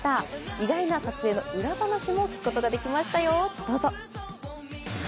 意外な撮影の裏話も聞くことができましたよ、どうぞ。